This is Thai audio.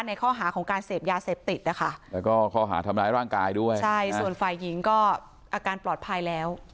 ในข้อหาของการเสพยาเสพติดนะคะแล้วก็ข้อหาทำร้ายร่างกายด้วยใช่ส่วนฝ่ายหญิงก็อาการปลอดภัยแล้ว